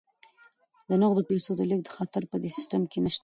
د نغدو پيسو د لیږد خطر په دې سیستم کې نشته.